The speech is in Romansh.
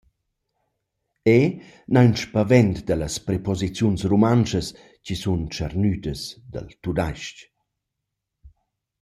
Eu n’ha ün spavent da las preposiziuns rumantschas chi sun tschernüdas dal tudaisch.